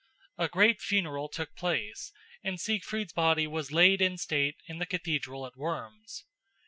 A great funeral took place and Siegfried's body was laid in state in the cathedral at Worms.